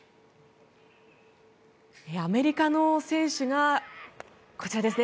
アメリカの選手がこちらですね